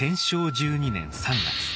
１２年３月。